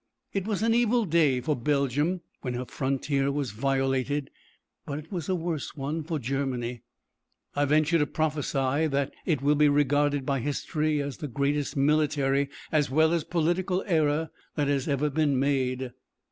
It was an evil day for Belgium when her frontier was violated, but it was a worse one for Germany. I venture to prophesy that it will be regarded by history as the greatest military as well as political error that has ever been made.